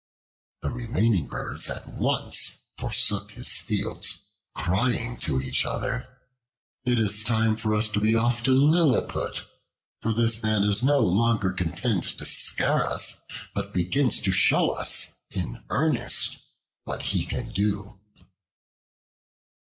The remaining birds at once forsook his fields, crying to each other, "It is time for us to be off to Liliput: for this man is no longer content to scare us, but begins to show us in earnest what he can do."